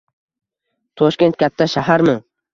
Toshkent katta shaharmi?